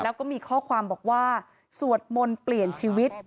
แล้วก็มีข้อความบอกว่าสวดมนต์เปลี่ยนชีวิต